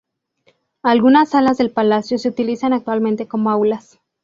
Algunas salas del palacio se utilizan actualmente como aulas.